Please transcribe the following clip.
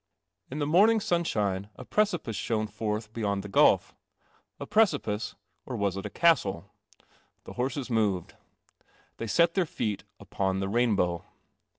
" In the morning sunshine a precipice shone forth beyond the gulf. A precipice — or was it a castle? The horses moved. They set their feet upon the rainbow.